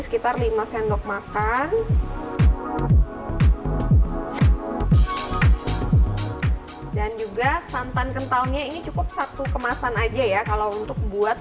sekitar lima sendok makan dan juga santan kentalnya ini cukup satu kemasan aja ya kalau untuk buat